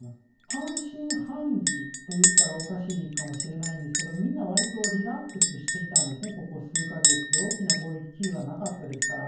半信半疑と言ったらおかしいかもしれないんですけど、みんな、わりとリラックスしていたんですね、ここ数か月、大きな攻撃、キーウはなかったですから。